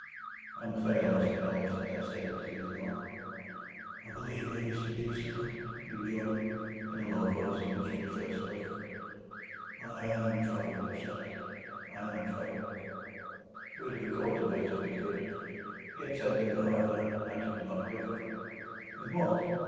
(I am afraid I must acknowledge that I said it to lead him on.) "I believe I used to be so," he rejoined, in the low voice in which he had first spoken; "but I am troubled, sir, I am troubled." He would have recalled the words if he could. He had said them, however, and I took them up quickly. "With what?